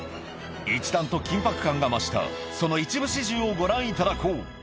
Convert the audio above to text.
一段と緊迫感が増した、その一部始終をご覧いただこう。